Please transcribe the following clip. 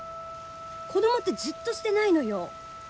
子供ってじっとしてないのよ。